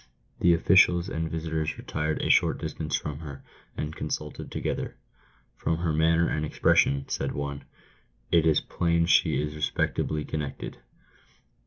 The officials and visitors retired a short distance from her, and con sulted together. "From her manner and expression," said one, " it is plain she is respectably connected."